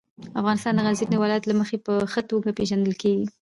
افغانستان د غزني د ولایت له مخې په ښه توګه پېژندل کېږي.